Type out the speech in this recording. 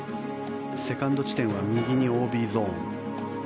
セカンド地点は右にＯＢゾーン。